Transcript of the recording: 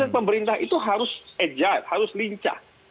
pemerintah itu harus agite harus lincah